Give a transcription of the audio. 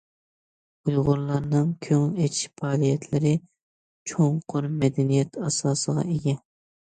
ئۇيغۇرلارنىڭ كۆڭۈل ئېچىش پائالىيەتلىرى چوڭقۇر مەدەنىيەت ئاساسىغا ئىگە.